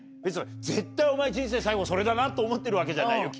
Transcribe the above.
絶対お前人生最後それだなと思ってるわけじゃないよ